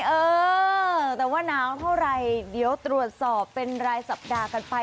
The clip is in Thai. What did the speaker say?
เออแต่ว่าหนาวเท่าไหร่เดี๋ยวตรวจสอบเป็นรายสัปดาห์กันไป